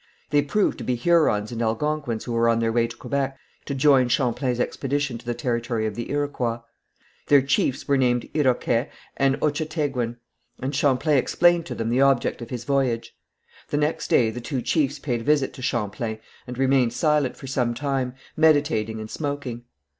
They proved to be Hurons and Algonquins who were on their way to Quebec to join Champlain's expedition to the territory of the Iroquois. Their chiefs were named Iroquet and Ochateguin, and Champlain explained to them the object of his voyage. The next day the two chiefs paid a visit to Champlain and remained silent for some time, meditating and smoking.